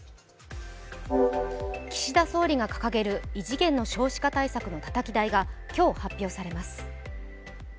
岸田総理が掲げる異次元の少子化対策のたたき台が今日、発表されます。